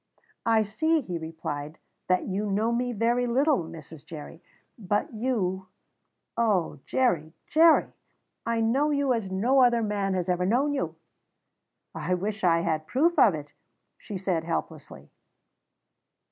"I see," he replied, "that you know me very little, Mrs. Jerry; but you oh, Jerry, Jerry! I know you as no other man has ever known you!" "I wish I had proof of it," she said helplessly.